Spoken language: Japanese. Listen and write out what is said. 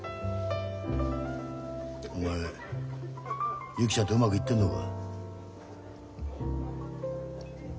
お前ゆきちゃんとうまくいってんのか？